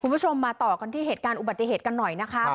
คุณผู้ชมมาต่อกันที่เหตุการณ์อุบัติเหตุกันหน่อยนะคะ